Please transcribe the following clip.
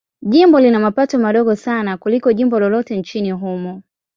Jimbo lina mapato madogo sana kuliko jimbo lolote nchini humo.